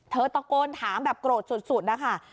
ตะโกนถามแบบโกรธสุดนะคะ